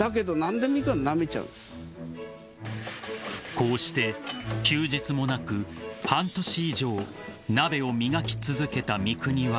［こうして休日もなく半年以上鍋を磨き続けた三國は］